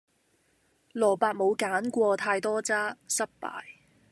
蘿蔔冇揀過太多渣，失敗